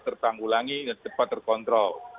tertanggulangi cepat terkontrol